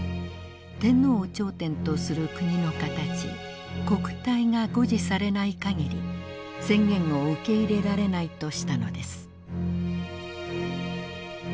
天皇を頂点とする国のかたち国体が護持されない限り宣言を受け入れられないとしたのです。